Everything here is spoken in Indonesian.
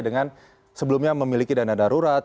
dengan sebelumnya memiliki dana darurat